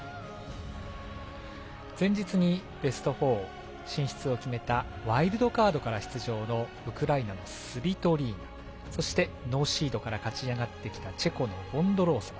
前日にベスト４進出を決めたワイルドカードから出場のウクライナのスビトリーナノーシードから勝ち上がってきたチェコのボンドロウソバ。